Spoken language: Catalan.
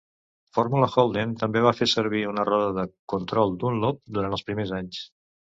Formula Holden també va fer servir una roda de control Dunlop durant els primers anys.